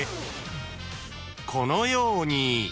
［このように］